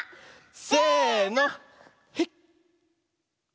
せの。